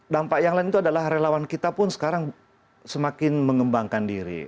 dampak yang lain itu adalah relawan kita pun sekarang semakin mengembangkan diri